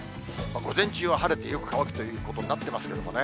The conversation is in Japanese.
午前中は晴れて、よく乾くということになってますけれどもね。